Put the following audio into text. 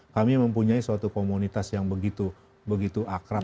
kami mempunyai suatu komunitas yang begitu akrab